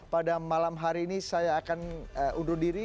pada malam hari ini saya akan undur diri